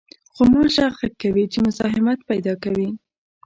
غوماشه غږ کوي چې مزاحمت پېدا کوي.